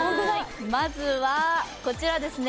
まずはこちらですね